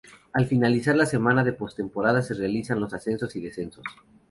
Al finalizar la semana de postemporada se realizan los ascensos y descensos.